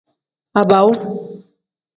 Baabaawu.